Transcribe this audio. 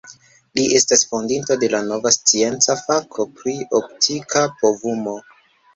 Li estas fondinto de nova scienca fako pri optika povumo.